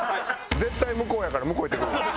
絶対向こうやから向こう行ってくるわ。